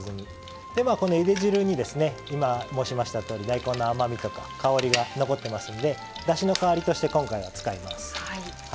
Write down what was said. このゆで汁に今申しましたとおり大根の甘みとか香りが残ってますんでだしの代わりとして今回は使います。